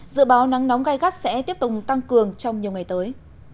dự báo nắng nóng gai gắt sẽ tiếp tục tăng cường trong nhiều ngày tới